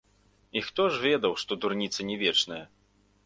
І хто ж ведаў, што дурніца не вечная?